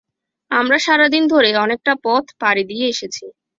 আমরা সারাদিন ধরে অনেকটা পথ পাড়ি দিয়ে এসেছি।